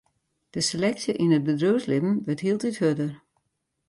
De seleksje yn it bedriuwslibben wurdt hieltyd hurder.